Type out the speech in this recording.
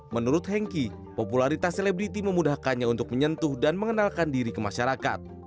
menurut hengki popularitas selebriti memudahkannya untuk menyentuh dan mengenalkan diri ke masyarakat